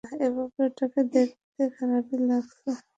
এভাবে ওটাকে দেখতে খারাপই লাগছে!